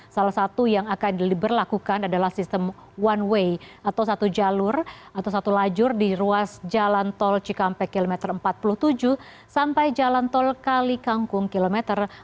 salah satu yang akan diberlakukan adalah sistem one way atau satu jalur atau satu lajur di ruas jalan tol cikampek kilometer empat puluh tujuh sampai jalan tol kali kangkung kilometer